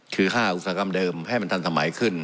คือ๕อุตสาหกรรมเดิมให้มันทันสมัยขึ้น